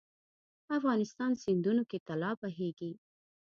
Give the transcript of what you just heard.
افغانستان سیندونو کې طلا بهیږي